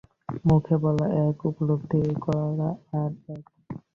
মুখে বলা এক, উপলব্ধি আর এক।